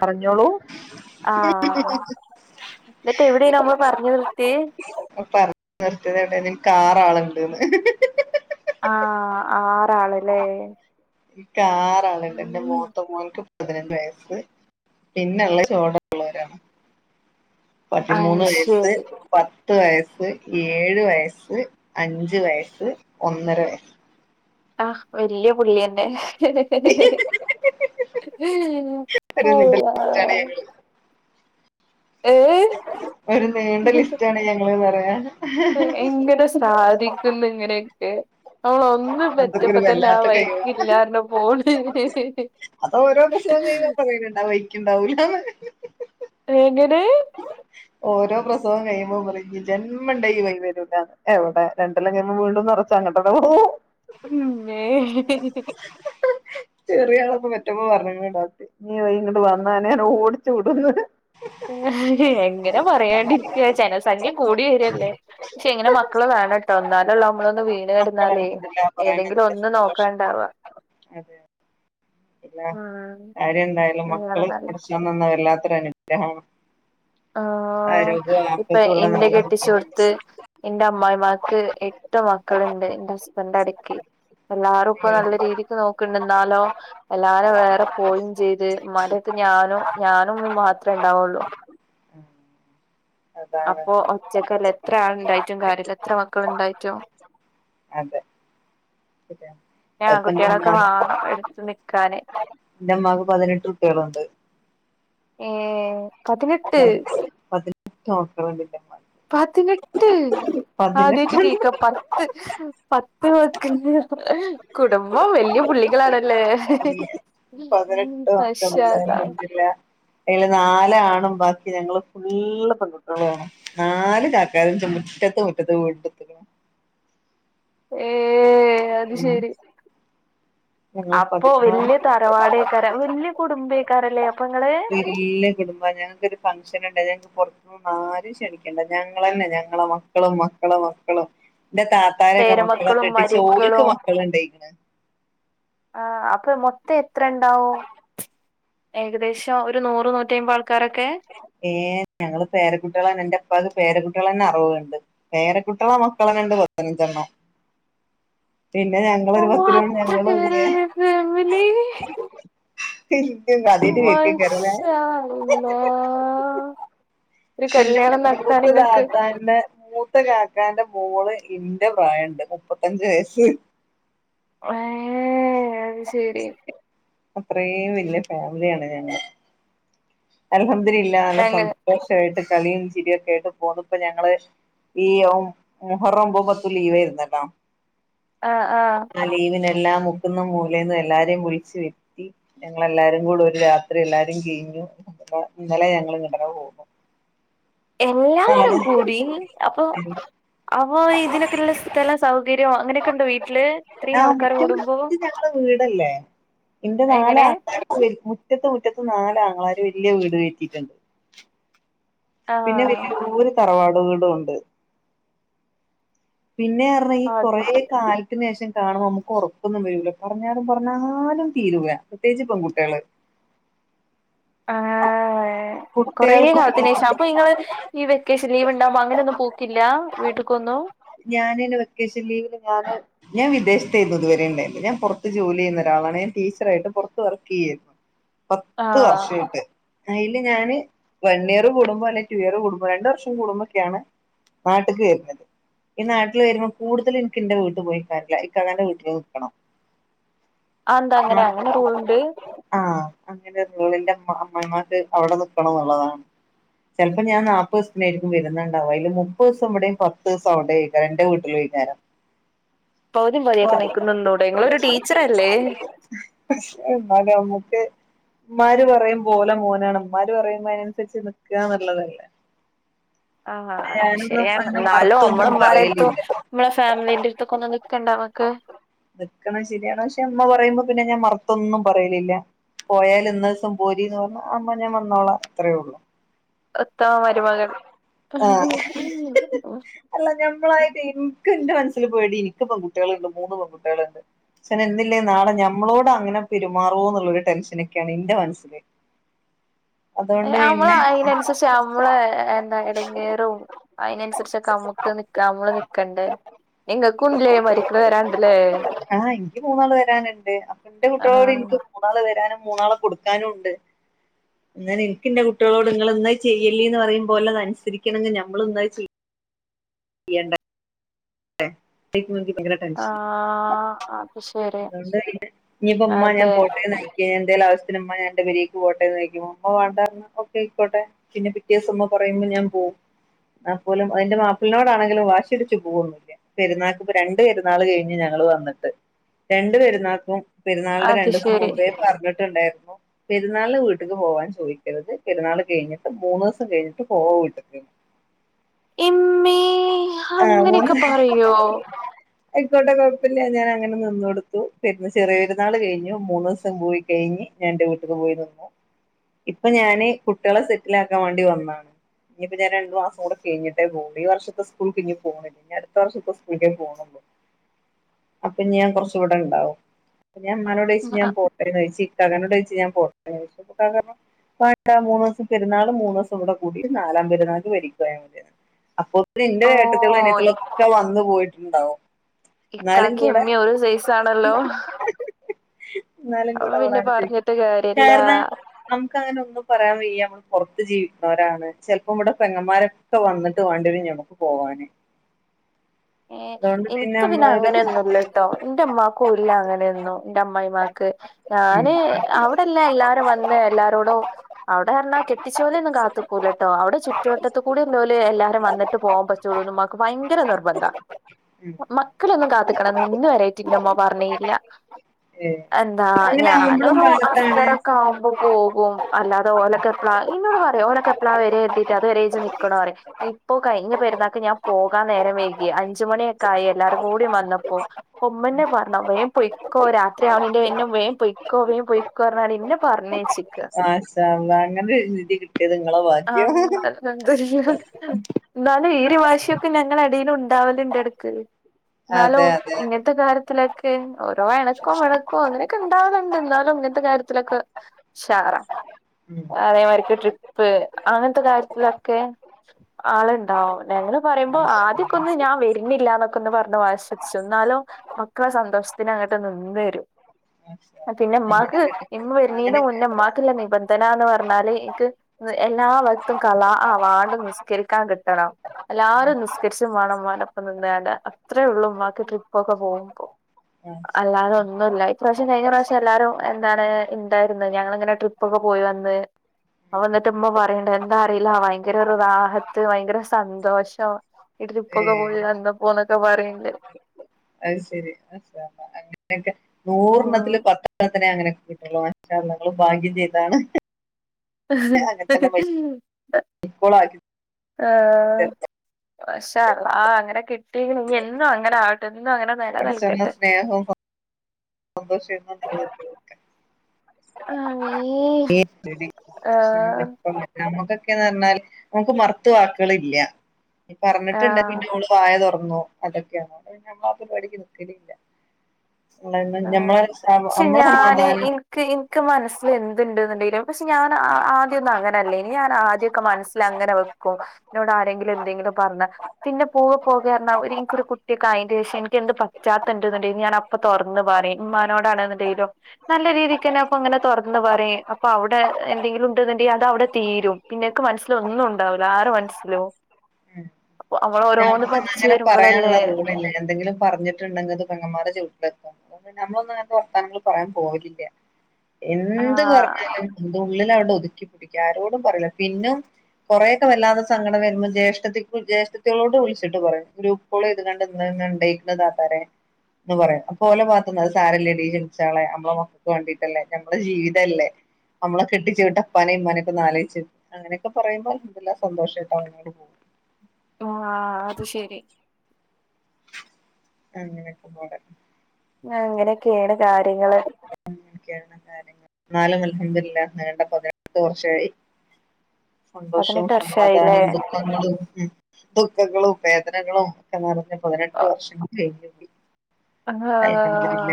പറഞ്ഞോളൂ..... ആ.. ഹാ..... ന്നിട്ടെവ്ടേന്ന് നമ്മ പറഞ് നിർത്തേ.. ക്ക്റാള്ണ്ട്ന്ന്...... ആ... ആറാള്ലേ... ഇക്കാ... റാള്ണ്ട് ന്റെ മൂത്തമോൾക്ക് പതിനഞ്ച് വയസ്സ് പിന്നള്ള ചോടള്ളോരാണ്. അത് പതിമൂന്ന് വയസ് ശരി പത് പത്ത് വയസ്സ്, ഏഴ് വയസ്സ്, അഞ്ച് വയസ്സ്, ഒന്നര വയസ്സ്. അഹ് വല്ല്യപുള്ളിയന്നേ.... ഒരു നീണ്ട ലിസ്റ്റാണ് അല്ലാഹ് ഞങ്ങള് ഏഹ് ഒരു നീണ്ട ലിസ്റ്റാണ് ഞങ്ങള്ന്ന്പറയാ.... ഒ.. എങ്ങനെ സാധിക്കുന്നിങ്ങനൊക്ക ഒ ഒന്ന് അതൊക്കെ ഒരു പെറ്റപ്പത്തന്നെ ആ വല്ലാത്ത കഴിവാ വൈക്കില്ലാർന്ന് പറഞ് പോന്ന് അത് ഓരോ [unintelligible] ഇണ്ടാവോക്കെ ഇണ്ടാവൂല ന്ന്. ഏങ്ങനെ? ഓരോ പ്രസവം കയ്യുമ്പോ പറി ഇന് ജന്മണ്ട ഈ വൈ വരൂലാന്ന് എവടെ രണ്ടൊല്ലം കയ്യുമ്പോ വീണ്ടു [unintelligible] കുറച്ചങ്ങട്ടന്നെ [unintelligible] [unintelligible] മ്മേ. ചെറിയ ആളൊക്കെ പെറ്റപ്പോ പറഞ്ക്ണ് ഡോക്ട്രെ ഇന് [unintelligible] ഇങ്ങട്ട് വന്നാ അന്ന ഞാ ഓടിച്ചു വിടൂന്ന്. [unintelligible] ഹ. എങ്ങനെ പറയാണ്ടിരിക്ക്യ ജനസംഖ്യ കൂടി വെരെല്ലെ ക്ഷെ ഇങ്ങനെ മക്കള് വേണട്ടോ എന്നാല നമ്മളൊന്ന് വീണ് മക്കള് കെടുന്നാല് അൽഹംദുലില്ലാഹ് പറയാൻ ഏതെങ്കിലൊ കഴിഞ്ഞതിൽ ന്ന് സന്തോഷം നോക്കാണ്ടവാ. അതെ [unintelligible] ഉം കാര്യ എന്തായാലും മക്കള് പടച്ചോൻ തന്ന വല്ലാത്തൊരു അനുഗ്രഹ ആ ഇപ്പൊ ഉള്ള എന്റെ നല്ല മക്കള് കെട്ടിച്ചോട്ത്ത് എന്റെ അമ്മായിമാക്ക് എ ട്ട് മക്കള്ണ്ട് ന്റെ ഹസ്ബന്റടക്കി എല്ല [unintelligible] നല്ല രീതിക്ക് നോക്ക് ണ്ട് ന്നാലോ എല്ലാരു വേറെ പോയിൻ ചെയ്ത് മ്മാന്റെട്ത് ഞ ഞാനു മ്മി മാത്രെ ഉണ്ടാവുള്ളൂ. മം. അപ്പൊ ഒറ്റക്കല്ലെ എത്ര ആള്ണ്ടായിറ്റും കാര്യല്ല്യ എത്ര മക്കളുണ്ടായിറ്റു. അതെ. [unintelligible] അതിപ്പോ എന്റെ ആങ്കുട്ടിളൊക്കെ ഉമ്മാ വാണം എട്ത്ത് നിക്കാന്. ന്റമ്മാക്ക് പതിനെട്ട് കുട്ടിയാളുണ്ട്. ഏ പതിനെട്ട്. നോക്കണൊന്നൂല്യ. പതിനെട്ട്. പതിനെട്ട് ആദ്യയിറ്റ് കേക്ക പത്ത് പത്ത് [unintelligible] കുടുംബം വല്യ പുള്ളികളാണല്ലേ? [unintelligible] പതിനെട്ട് ഷാള്ള. അയിൻ നാലാണും ബാക്കി ഞങ്ങള് ഫുള്ള് പെൺകുട്ട്യോളാണ് നാല് കാക്കാരും ന്റമ്മച്ചി [unintelligible] [unintelligible] ഏ അത് ഉം ശരി. ഞങ്ങള് അപ്പൊ വല്ല്യ പതിനാല് തറവാടെക്കാരം വല്ല്യ കുടുംബേക്കാര ല്ലേ അപ്പൊ ങ്ങള്? [unintelligible] ഞങ്ങക്കൊര് ഫങ്ഷന്ണ്ട് അതയിഞ് പൊ ആരു ശണിക്കണ്ട ഞങ്ങളെന്നെ ഞങ്ങളെ മക്കളും മക്കളെ മക്കളും. ന്റെ താത്താരൊക്കെ മക്കളെ പേരമക്കളും കെട്ടിച്ച് ഓൽക്ക് മരിയക്കളും മക്കള് ഇണ്ടായിക്ണ്. ആ അപ്പൊ മൊത്തം എത്രണ്ടാവും ഏകദേശം ഒരു നൂറ് നൂറ്റയ്മ്പ ഏ ഞങ്ങള് പേരക്കുട്ടിയാളെന്നെ ന്റപ്പാക്ക് പേര ട്ട്യാളെന്നെ അർവണ്ട് പേരകുട്ട്യാളെ മക്കളെന്നെണ്ട് പതിനഞ്ചെണ്ണം. പിന്നെ ഓ ഞങ്ങലൊര് പത്തിര് വ അത്രക്ക് ഞങ്ങളുല്യേ വല്യ ഫാമിലി ഇ [unintelligible] ആദ്യയിട്ട് കേക്കെകാര ലെ മാഷാ അല്ലാഹ് ഒരു പിന്നെ കല്യാണം നടത്താൻ മൂത്ത നിങ്ങൾക്ക് താത്താന്റെ മൂത്ത കാക്കാന്റെ. മോള് ഇന്റെ പ്രായണ്ട് മുപ്പത്തജ്ജ്‌ വയസ്സ്. ഏ അത് ശരി. അത്രേം വല്ല്യ ഫാമിലിയാണ് ഞങ്ങ അൽഹംദുരില്ല നല്ല അങ്ങനെ സന്തോഷായിട്ട് കളിയും ചിരി ഒക്കെ ആയിട്ട് പോന്ന് ഇപ്പങ്ങള്. ഈ ഒം മുഹറൊമ്പതു പത്തു ലീവായിര്ന്നല്ലോ. ആ ആ. ല്ലാ മുക്കുന്നും മൂലേന്നും എല്ലാരിം വിളിച്ചു വെര്ത്തി ഞങ്ങളെല്ലാരും കൂടെ ഒരു രാത്രി എല്ലാരും കൈഞ്ഞു. അ ഇന്നലെ ഞങ്ങള് ഇങ്ങട്ടെന്നെ പോന്നു. എല്ലാരും കൂടി അപ്പൊ. അവൊ ഇതിനൊക്ക്ല്ലെ സ്ഥല സൗകര്യോ അങ്ങനെക്കെ ണ്ടോ വീട്ടില് ഇത്രീം ആൾക്കാര് കൂടുമ്പോ? ഇവിടല്ലേ എന്റെ നാലാ എങ്ങനെ [unintelligible] മുറ്റത്ത് മുറ്റത്ത് നാലാങ്ങളമാര് വല്യ വീട് കെട്ടീറ്റൊണ്ട് ആഹ് നൂറ് തറവാടുകളും ഒണ്ട് പിന്നെ എറങ്ങി അത് കൊറേ ശരി കാലത്തിന് ശേഷം കാണുമ്പ നമ്മുക്ക് ഒറക്കൊന്നും വരൂല പറഞ്ഞാലും പറഞ്ഞാലും തീരൂല പ്രത്യേകിച്ച് പെൺകുട്ട്യേള് ആഹ് കൊറേ കുട്ടികൾക്കും കാലത്തിന് ശേഷം അപ്പൊ നിങ്ങള് ഈ വെക്കേഷൻ ലീവ് ഉണ്ടാ വ്മ്പ അങ്ങനെ ഒന്നും പോക്കില്ലാ വീട്ടിക്കൊന്നും ഞാനിന് വെക്കേഷൻ ലീവില് ഞാന് ഞാൻ വിദേശത്താര്ന്നു ഇതുവരെ ഉണ്ടായിരുന്നത് ഞാൻ പൊറത്ത് ജോലി ചെയ്യുന്ന ഒരാളാണ് ഞാൻ ടീച്ചറായിട്ട് പൊറത്ത് വർക്കെയ്യാരുന്നു ആ പത്ത് വർഷായിട്ട് അ ഇല്ല ഞാന് വൺ ഇയർ കൂടുമ്പോ അല്ലെ ടു ഇയർ കൂടു രണ്ട് വർഷം കൂടുമ്പൊക്കെ ആണ് നാട്ട്ക്ക് കേറുന്നത് ഈ നാട്ടില് വരുമ്പം കൂടുതലും എനിക്ക് എന്റെ വീട്ടു പോയി നിക്കാറില്ല ഇക്കാക്കാൻ്റെ വീട്ടില് നിക്കണം അതെന്താ ആ അങ്ങനെ അങ്ങനെ റൂളുണ്ട് ആഹ് അങ്ങനെ തൂളിന്റെ മാമാ മ്മായിമാർക്ക് അവിടെ നിക്കണം എന്നുള്ളതാണ് ചെലപ്പം ഞാൻ മുപ്പത് ദിവസ്ത്ത്നായിരിക്കും വരുന്നുണ്ടാവ അതില് മുപ്പത് ദിവസം ഇവിടെയും പത്ത് ദിവസം അവിടെയും യ്ട്ട് രണ്ട് വീട്ടിലും നിക്കാനാ പകുതിയും പകുതിയൊക്കെ നിൽക്കുന്നൂടെ നിങ്ങളൊരു ടീച്ചറല്ലേ [unintelligible] [unintelligible] മഴ നമുക്ക് അമ്മാര് പറയും പോല മോനാണ് അമ്മാര് പറയുന്നതിനനുസരിച്ച് നിക്ക് കാന്നുള്ളതല്ലേ ആഹ് അത് ശെരിയാണ് അങ്ങനെ എന്നാലും നമ്മള മറുത്തൊന്നും ഉമാ രടുത്തോ പറയലില്ല നമ്മളെ ഫാമിലീന്റെ അടുത്തൊക്ക ഒന്ന് നിക്കണ്ടേ ഒക്കെ നിക്കണം ശരിയാണ് പക്ഷെ അമ്മ പറയുമ്പൊ പിന്നെ ഞാൻ മറുത്തൊന്നും പറയലില്ല പോയാല് ഇന്നൊര്‌വ്സം പോരീന്ന് പറഞ്ഞ അമ്മ ഞാൻ വന്നോളാം അത്രയേ ഒള്ളു ഒത്താ മരുമകൾ ആഹ് അല്ല ഞമ്മളായിട്ട് ഇന്ക്ക് ഇൻ്റ മനസ് ക്സ് യിൽ പേടി എനിക്ക് പെൺകുട്ടികളുണ്ട് മൂന്ന് പെൺകുട്ടികള്ണ്ട് പക്ഷേന് എന്തില്ലേ നാളെ ഞമ്മളോട് അങ്ങനെ പെരുമാറുവോ എന്നുള്ളൊര് ടെൻഷനക്കെ ആണ് എന്റെ മനസ്സില് ഏ അതുകൊണ്ട് ആഹ് നമ്മളാ പിന്നെ അയിനനുസരിച്ച് അവ് നമ്മളാ എന്താ എടങ്ങേറും അയിനനുസരിച്ചൊക്ക അമ്മുക്ക് നിക്കാം അമ്മള് നിക്കണ്ടേ എങ്ക കുണ്ടിലേ മരിക്കുക രണ്ടിലേ ആഹ് എനിക്ക് മൂന്നാള് വരാനുണ്ട് അപ്പ എന്റെ കുട്ട്യോളോട് ആഹ് എനിക്ക് മൂന്നാള് വരാനും മൂന്നാള കൊടുക്കാനും ഉണ്ട്. ന്നാലും എനിക്ക് എന്റെ കുട്ട്യോളോട് ഇങ്ങള് എന്താ ഈ ചെയ് ഇല്ലീന്ന് പറയുമ്പോലെ അത് അനുസരിക്കണെന്ന് ഞമ്മള് ഉന്തായിച്ച് യ്യേണ്ട [unintelligible] ല്ലങ്കി പയ്ങ്കര ടെൻഷനാ ആഹ് അത് ശരി അതൊണ്ട് പിന്നെ ഇനിപ്പം ഉമ്മാ ഞാൻ അതെ പോട്ടേന്ന് പിന്നെ എന്തേലും ആശ്യത്തിന് ഉമ്മായെ ഞാനെൻ്റെ പെരേക്കു പോട്ടേന്ന് ചോയിക്കമ്പം പോവണ്ടാന്ന് ഓക്കെ ആയിക്കോട്ടെ പിന്നെ പിറ്റേ വ്സം ഉമ്മ പ പറയുമ്പ ഞാൻ പോകും അ പോലും അതിന്റെ വാപ്പിളിനോടാണെങ്കിലും വാശിടിച്ചു പോവൂന്നും ഇല്ല പെരുന്നാക്കും ഇപ്പ രണ്ട് പെരുന്നാള് കഴിഞ്ഞ് ഞങ്ങള് വന്നിട്ട്. രണ്ട് പെരുന്നാൾക്കും പെരുന്നാളിൻ്റെ അത് രണ്ടിവസം ശരി മുമ്പേ പറഞ്ഞിട്ടുണ്ടാരുന്നു പെരുന്നാള്ല് വീട്ടിക്ക് പോവാൻ ചോദിക്കരുത് പെരുന്നാള് കഴിഞ്ഞിട്ട് മൂന്ന് വ്സം കഴിഞ്ഞിട്ട് പോവൂട്ട്ക്ക് വിട്ടിരുന്നു ഇമ്മേ ആഹ് അങ്ങനെ മൂന്ന് ഒക്കെ പറയോ ആയിക്കോട്ടെ കൊഴപ്പല്ല്യ ഞാൻ അങ്ങനെ നിന്ന് കൊടുത്തു പിന്നെ ചെറിയ പെരുന്നാള് കഴിഞ്ഞു മൂന്ന് വ്‌സം പോയ് കഴിഞ്ഞ് ഞാൻ എന്റെ വീട്ട്ക്ക് പോയിരുന്നു. ഇപ്പ ഞാന് കുട്ടികളെ സെറ്റിലാക്കാൻ വേണ്ടി വന്നാണ് ഇനിയിപ്പ ഞാൻ രണ്ടു മാസംകൂട കഴിഞ്ഞിട്ടേ പോ ഈ വർഷം [unintelligible] സ്കൂൾ പിരിഞ്ഞ് പോണല്ലേ ഇനി അടുത്ത വർഷം ഇപ്പ സ്കൂൾ റ്റൈമി പോണല്ലോ അപ്പം ഞാൻ കൊറച്ച് കൂടെ ഇണ്ടാവും പിന്ന ഞാൻ ഉമ്മാനോ ടോയ്ച്ച് ഞാൻ പോട്ടേന്ന് ചോയിച്ച് ഇക്കാക്കാനോട് ചോയ്ച്ച് ഞാൻ പോട്ടേ [unintelligible] പണ്ട് മൂന്ന് ദിവസം പെരുന്നാളും മൂന്ന് ദിവസം കൂടെ കൂടി നാലാം പെരുന്നാള് വരിക്കുകയാണ് ജനം അപ്പോ നിന്റെ ഏട്ടത്തികളും ഓഹ് അനിയത്തിയോളക്ക വന്നു പോയിട്ടുണ്ടാവോ എന്നാലും ഇക്കാക്കിം കൂടെ ഇമ്മീം ഒരു സൈസാണല്ലോ എന്നാലും അപ്പൊ കൂടെ പിന്നെ ഡോറടച്ച് വെക്കും പറഞ്ഞിട്ട് കാര്യല്ല കേറടാ ഇക്കാണെങ്കി ഒന്നും പറയാൻ വെയ്യ നമ്മള് പൊർത്ത് ജീവിക്കുന്നവരാണ് ചെൽപ്പോവടെ പെങ്ങന്മാരൊക്കെ വന്ന്ട്ട് വാണ്ടേരും നമ്മ പോവാന് ഏ അതുകൊണ്ട് ഇൻക്ക് പിന്നെ നമ്മളവിടെ അങ്ങനേന്നുല്ലട്ടോ ഇന്റെ ഇമ്മാക്കൂല്ല അങ്ങനൊന്നും ഇന്റെ അമ്മായിമ്മാക്ക് ക്ക് ഉം, ഉം, ഞാന് അവിടെല്ല എല്ലാരും വന്ന് എല്ലാരോടും അവിടെ പറഞ്ഞാ കെട്ടിച്ചോലെ ഒന്നും കാത്ത് കാത്തക്കൂലട്ടോ അവ്ടെ ചുറ്റുവട്ടത്ത് ക്കൂടെല്ലോല് എല്ലാരും വന്ന്ട്ട് പോകാൻ പറ്റുള്ളൂന്ന്മ്മാക്ക് ഭയങ്കര നിർബന്ധാ ഉം. മക്കളെന്നും കാത്ത്ക്കണെന്ന് ഇന്ന് വരായിട്ട് ഇന്റെമ്മ പറഞ്ഞീല്ല ഏ, എന്താ അങ്ങനെ ആകുമ്പോഴും ഞാനൊരു കാലത്താണ് അസറൊക്കെ ഉം. ആകുമ്പോ പോകും അല്ലാതെ ഓലൊക്കെപ്പളാ ഇമ്മ [unintelligible] പറയും ഓലൊക്കെ എപ്പളാ വെരാര്തീറ്റാ അത് വരെ ജ് ന്ക്കണോ പറിം ഇപ്പോ കഴിഞ്ഞ പെര്ന്നാക്ക് ഞാം പോകാം നേരം വൈകി അഞ്ജ്മണിയൊക്കെ ആയി എല്ലാരും കൂടി വന്നപ്പോ ഉമ്മന്നെ പറഞ് വേം പോയിക്കോ രാത്രിയാവ്ണീന്റെ വേം പൊയ്ക്കോ വേം പൊയ്ക്കോ പറഞ്ഞാണ്ട് ഇന്നെ പർഞ്ഞയ്ച്ച്ക്കാ താ വാ അങ്ങനെ നിധി കിട്ട്യേത് ഇങ്ങളെ ബാഗ്യാ ആഹ് ഹ് ഹ് ഇന്നാലും ഈയൊര് വാശ്യക്കെ ഞങ്ങളെടീലുണ്ടാവല്ണ്ടെട്ക്ക് അതെ ഇന്നാലും അതെ അതെ ഇങ്ങൻത്തെ കാര്യത്തിലൊക്കെ ഓരോ എണക്കോം പെണക്കോ അങ്ങനൊക്കെണ്ടാവല്ണ്ട് ന്നാലും ഇന്നാലും ഇങ്ങൻത്തെ കാര്യത്തിലൊക്കെ ഉഷാറാ ഉം അതേമാരിക്കെ ട്രിപ്പ് അങ്ങനത്തെ കാര്യത്തിലൊക്കെ അ ലുണ്ടാവും നങ്ങള് പറയുമ്പോ മാഷാ ആദ്യ അള്ളാ ക്കൊന്ന് ഞാൻ വരുന്നില്ല എന്നൊക്കെ ഒന്ന് പറഞ്ഞു വാശി പിടിച്ചു എന്നാലും മക്കളെ സന്തോഷത്തിന് അങ്ങോട്ട് നിന്ന് വരും മാഷാ [inaudible] അള്ളാ പിന്നെ അങ്ങനെ മ്മാക്ക് ഇമ്മ കിട്ടി വരുന്നീന്റെ അങ്ങനെയൊക്കെ മുന്നേ ഇമ്മാക്ക് ഉള്ള നിബന്ധന എന്ന് പറഞ്ഞാല് എനിക്ക് എല്ലാവർത്തും കല അ വാർഡ് നിസ്കരിക്കാൻ കിട്ടണം ഉം എല്ലാവാരും നിസ്കരിച്ച ചമാണമാനൊപ്പ നിന്നല്ല അത്രേ ഉള്ളൂ ഉമ്മാക്ക് ട്രിപ്പ്‌ ഒക്കെ പോകുമ്പോ മാഷാ അല്ലാതെ ഒന്നുല്ല ഇപ്രാവശം കഴിഞ്ഞ പ്രാവശം എല്ലാവരും എന്താണ് ഉണ്ടായിരുന്ന് ഞങ്ങളിങ്ങനെ ട്രിപ്പ് ഒക്കെ പോ പോയി വന്ന് വന്നിട്ട് ഉമ്മ പറയണ്ട്‌ എന്താ അറിയില്ല ഭയങ്കര ഒരു റാഹത്ത് ഭയങ്കര സന്തോഷം ഈ ഏ ട്രിപ്പൊക്കെ പോയി എന്താ പോന്നൊക്കെ പറയണ്ട് അത് ശെരി മാഷാ അല്ലാഹ് അങ്ങനെയൊക്കെ ഉം നൂറെണ്ണത്തില് പത്തെണ്ണത്തിനെ അങ്ങനെ കിട്ടുള്ളു മാഷാ അല്ലാഹ് ങ്ങള് ഭാഗ്യം ചെയ്താണ് അങ്ങനെ തന്നെ മരിക്കോളാക്കി [inaudible] ഏ തരാം. പക്ഷേ അല്ലാഹ് അങ്ങനെ കിട്ടിയങ്ക ഇനി എന്നും അങ്ങനെ ആവട്ടെ ന്നും അങ്ങനെ നിലനിൽകട്ടെ സന്തോഷം ന്നും നിലനിൽക്ക [inaudible] ആമീൻ ക്ക് ന്ന് ആഹ് പറഞ്ഞാല് നമുക്ക് മറുത്തു വാക്കുകൾ ഇല്ല ഈ പറഞ്ഞിട്ടുണ്ട ആഹ് പിന്നെ ഓൾ വായ തുറ ന്നൊ അതൊക്കെയാണോ അപ്പം പിന്നെ നമ്മൾ ആ പരിപാടിക്ക് നിക്കലില്ല അ നഞമ്മള നമ്മള സമാധാനം ക്ക് എനിക്ക് മനസ്സിൽ എന്തണ്ട്ന്നുണ്ടെങ്കിലും പക്ഷെ ഞാൻ ആദ്യ ഒന്നും അങ്ങനല്ലേനി ഞാൻ ആദ്യമൊക്കെ മനസ്സിലാക്ക അങ്ങനെ വെക്കും ന്നോട് ആരെങ്കിലും എന്തെങ്കിലും പറഞ്ഞ പിന്നെ പോവ പോകെ റഞ ഒരു ഇനിക്കരു കുട്ടി ഒക്കെ ആയ ദേഷ്യം എനിക്ക് എന്ത് പറ്റാത്തണ്ടെന്നണ്ടെ ഞാൻ അപ്പൊ തുറന്ന് പറയും ഉമ്മാനോടാണുന്നുണ്ടെങ്കിലോ നല്ല രീതിക്ക്ന്നെ അപ്പങ്ങനെ തൊറ്ന്ന് പറിം അപ്പൊ അവ്ടെ എന്തെങ്കിലുണ്ട്ന്ന്ണ്ടെങ്കി അത് അവ്ടെ തീരും പിന്നെക്ക് മൻസ്സിലൊന്നുണ്ടാവൂല ആരെ മൻസ്സിലും ഞമ്മക്കൊന്നും അങ്ങനെ വരുമ്പളല്ലേ പറയാള്ള റൂളില്ല എന്തെങ്കിലും പറഞ്ഞിട്ട്ണ്ടെങ്കി അത് പെങ്ങമ്മാരെ ചെവിട്ടിലെത്തും. അതുംതന്നെ നമ്മളൊന്നും അങ്ങൻത്തെ വർത്താനങ്ങള് പറയാൻ പോവലില്യ എന്ത്‌ ആഹ് പറഞ്ഞാലും എന്ത് ഉള്ളിലവടെ ഒത്ക്കി പിടിക്കും ആരോടും പറീല പിന്നും കൊറേക്കെ വല്ലാതെ സങ്കടം വെരുമ്പാെ ജ്യേഷഠത്തിക്ക് വ്ളി ജ്യേഷ്ഠത്യാളോട് വിളിച്ചിട്ട് പറയും ഗ്രൂപ്പ് കോൾ ചെയ്ത്ങ്ങാണ്ട് ഇങ്ങനെങ്ങനെ ഇണ്ടയ്ക്ക്ണ് താത്താരെ ന്ന് പറയും അപ്പോലെ ഭാത്ത്ന്ന് അത് സാരല്ലെടീ ക്ഷമിച്ചാളേ ഞമ്മളെ മക്ക വാണ്ടീട്ടെല്ലേ ഞമ്മളെ ജീവിതല്ലേ ഞമ്മളെ കെട്ടിച്ച് വിട്ടപ്പാനീം ഇമ്മാനീം ഒക്കൊന്ന് ആലോയ്ച്ച് അങ്ങനൊക്കെ പറയ്മ്പോ അൽഹംദുലില്ലാഹ് സന്തോഷട്ടോ അങ്ങനെങ്ങ് പോകും ആ അത് ശരി അങ്ങനെയൊക്കെപ്പാടെ അങ്ങനെയൊക്കെണ് കാര്യങ്ങൾ അങ്ങനെക്കെണ് കാര്യങ്ങൾ ഇന്നാലും അല്ഹംദുലില്ലാഹ് നീണ്ട പതിനെട്ട് വർഷായി സന്തോഷവും പതിനെട്ട് വർഷായില്ലേ സമാധാനും ദുഃഖങ്ങളും ഉം ദുഃഖങ്ങളും വേദനകളും ഒക്കെ നെറഞ്ഞ പതിനെട്ട് വർഷങ്ങൾ കഴിഞ്ഞ് കിട്ടി ആ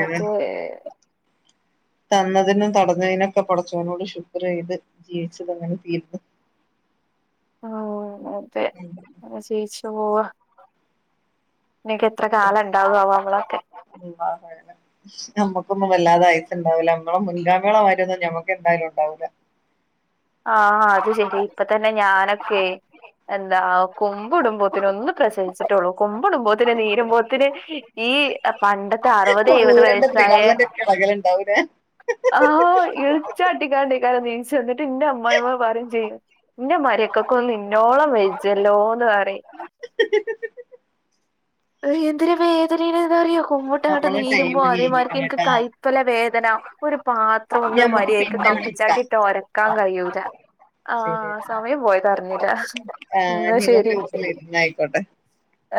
അതുവെ തന്നതിനും തടഞ്ഞതിനും ഒക്കെ പടച്ചോനോട് ശുക്ര് ചെയ്ത് ജീവച്ചത് അങ്ങനെ തീരുന്നു ആ അതെ അങ്ങനെ ജീവിച്ച് പോവാ ഇനിയൊക്കെ എത്ര കാലം ഇണ്ടാവാവോ നമ്മളൊക്കെ അല്ലാഹു അഅലം [inaudible] നമ്മക്കൊന്നും വല്ലാതെ അയസുണ്ടാവൂലാ നമ്മളെ മുൻഗാമേളെ മായിരൊന്നും ഞമ്മക്ക് എന്തായാലും ഇണ്ടാവൂലാ ആ ആ അത് ശെരി ഇപ്പ തന്നെ ഞാനൊക്കെ എന്താ കുമ്പ് ഇടുമ്പോത്തിന് ഒന്ന് പ്രസവിച്ചിട്ടൊള്ളു കുമ്പ് ഇടുമ്പോത്തിന് നീരുമ്പോത്തിന് ഈ പണ്ടത്തെ അറുപത് എഴുപത് ഊരന്റെ വയസായെ ത്രികാളിന്റെ ഒക്കെ ഇളകലുണ്ടാവൂലേ ആ ഇളിച്ചാട്ടി കാണ്ടെയ്ക്കാരം നീ ട്ട് ഇന്റെ അമ്മായിമ്മ പറിം ചെയ്യും ഇന്റെ മരൊക്കൊക്ക് ഒന്നും ഇന്നോളം വെജ്ജല്ലോന്ന് പറിം [inaudible] അയ് എന്തിര് വേതനെണ് എന്താറിയോ കുമ്പ്ട്ട് ഇങ്ങട്ട് നമ്മളെ ടൈം നീരുമ്പോ അതേമാതിര്ക്ക് കഴിഞ്ഞിക്കണ് ഇൻക്ക് ട്ടാ കൈപ്പല വേദന ഒരു പാത്രം ഇനി ഒന്ന് നമ്മക്ക് മര്യ യ്ക്ക് പിന്നെ വിളിക്കാം കമ്പിച്ചണ്ടി ഇട്ട് ഒരക്കാൻ കയ്യൂലാ ആ ശരി സമയം പോയത് അറിഞ്ഞിലാ ആ ഇന്നാ നിങ്ങ ശരി ഗ്രൂപ്പിലിരുന്ന് ആയിക്കോട്ടെ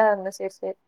ആ ഇന്നാ ശരി ശരി